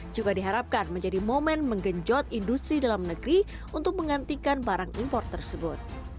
juga diharapkan menjadi momen menggenjot industri dalam negeri untuk menggantikan barang impor tersebut